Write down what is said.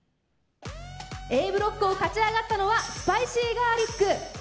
Ａブロックを勝ち上がったのはスパイシーガーリック。